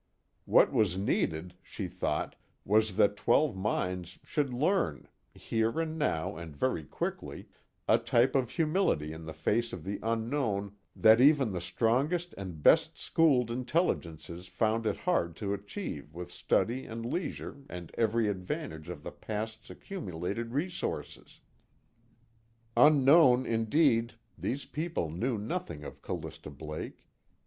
What was needed, she thought, was that twelve minds should learn (here and now and very quickly) a type of humility in the face of the unknown that even the strongest and best schooled intelligences found it hard to achieve with study and leisure and every advantage of the past's accumulated resources. Unknown indeed these people knew nothing of Callista Blake.